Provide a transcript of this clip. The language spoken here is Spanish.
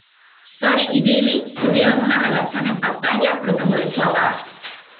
Sunny y Billy tuvieron una relación en pantalla, lo que molestó a Bart.